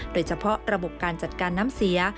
โดยเฉพาะระบบการจัดการน้ำเสีย